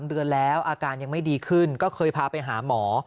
เดือนแล้วอาการยังไม่ดีขึ้นก็เคยพาไปหาหมอ